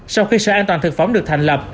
sau khi sở an toàn thực phẩm được thành lập